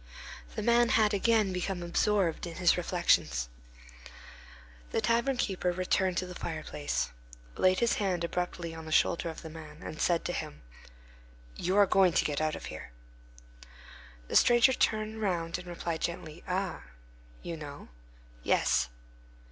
The man had again become absorbed in his reflections. The tavern keeper returned to the fireplace, laid his hand abruptly on the shoulder of the man, and said to him:— "You are going to get out of here." The stranger turned round and replied gently, "Ah! You know?—" "Yes."